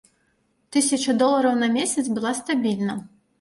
Тысяча долараў на месяц была стабільна.